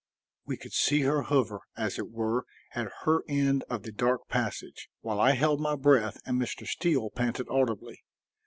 We could see her hover, as it were, at her end of the dark passage, while I held my breath and Mr. Steele panted audibly.